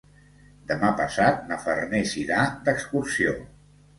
Demà passat na Farners irà d'excursió.